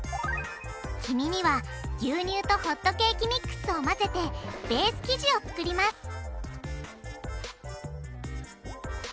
黄身には牛乳とホットケーキミックスを混ぜてベース生地を作ります